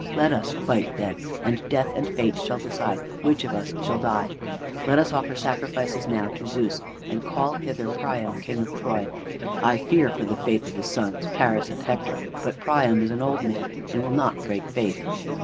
Let us fight, then, and death and fate shall decide which of us shall die. Let us offer sacrifice now to Zeus, and call hither Priam, King of Troy. I fear for the faith of his sons, Paris and Hector, but Priam is an old man and will not break faith."